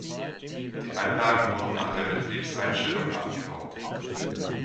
Die Anlagen wurden nach der Betriebseinstellung abgebaut.